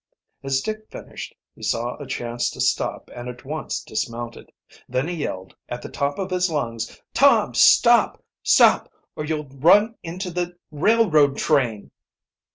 As Dick finished he saw a chance to stop and at once dismounted. Then he yelled at the top of his lungs: "Tom, stop! Stop, or you'll run into the railroad train!"